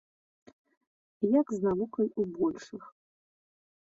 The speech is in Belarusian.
Як з навукай у большых.